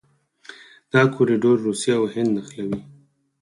دا کوریډور روسیه او هند نښلوي.